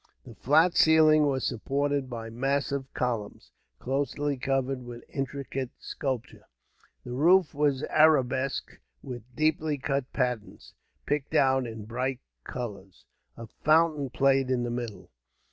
The flat ceiling was supported by massive columns, closely covered with intricate sculpture. The roof was arabesqued with deeply cut patterns, picked out in bright colours. A fountain played in the middle.